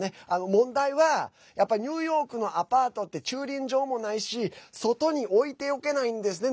問題は、やっぱニューヨークのアパートって駐輪場もないし外に置いておけないんですね。